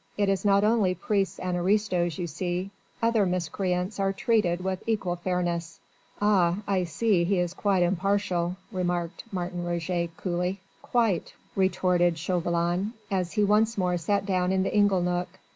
It is not only priests and aristos, you see other miscreants are treated with equal fairness." "Yes! I see he is quite impartial," remarked Martin Roget coolly. "Quite," retorted Chauvelin, as he once more sat down in the ingle nook.